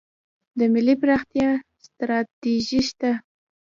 د ملي پراختیا ستراتیژي شته؟